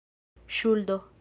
ŝuldo